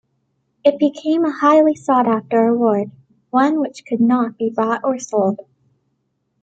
It became a highly sought-after award, one which could not be bought or sold.